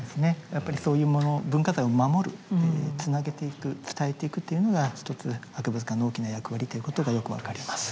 やっぱりそういうもの文化財を守るつなげていく伝えていくというのが一つ博物館の大きな役割ということがよく分かります。